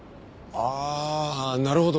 ああなるほど。